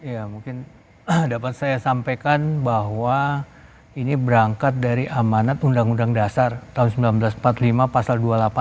ya mungkin dapat saya sampaikan bahwa ini berangkat dari amanat undang undang dasar tahun seribu sembilan ratus empat puluh lima pasal dua puluh delapan